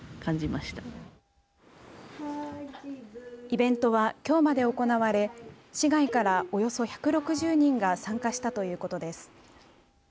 イベントは、きょうまで行われ市外から、およそ１６０人が参加したということです。